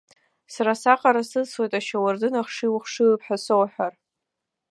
Сара саҟара сыцлоит ашьауардын ахшыҩ ухшыҩуп ҳәа соуҳәар.